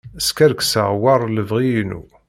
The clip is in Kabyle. Skerkseɣ war lebɣi-inu.